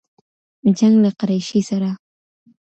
جـنــګ له قــــريــشي ســــره